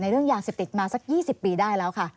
เรื่องยาเสพติดมาสัก๒๐ปีได้แล้วค่ะ